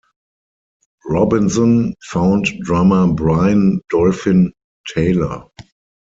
Robinson found drummer Brian "Dolphin" Taylor.